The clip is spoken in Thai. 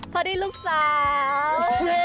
พอได้ลูกสาว